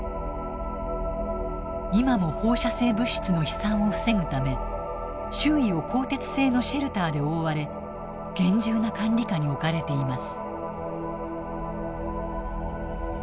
今も放射性物質の飛散を防ぐため周囲を鋼鉄製のシェルターで覆われ厳重な管理下に置かれています。